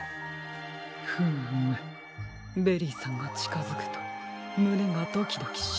フームベリーさんがちかづくとむねがドキドキします。